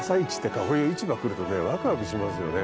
こういう市場に来るとねワクワクしますよね。